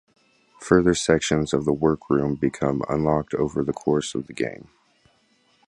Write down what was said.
Further sections of the workroom become unlocked over the course of the game.